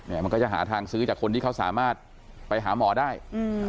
มันก็จะหาทางซื้อจากคนที่เขาสามารถไปหาหมอได้อืม